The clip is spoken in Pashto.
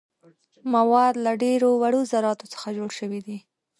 مواد له ډیرو وړو ذراتو څخه جوړ شوي دي.